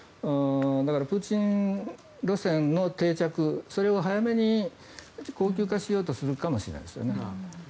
だから、プーチン路線の定着それを早めに恒久化しようとするかもしれないですよね。